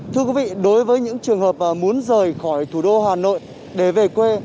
thưa quý vị đối với những trường hợp muốn rời khỏi thủ đô hà nội để về quê